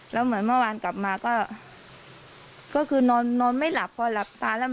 แล้วเหมือนเมื่อวานกลับมาก็คือนอนนอนไม่หลับพอหลับตาแล้ว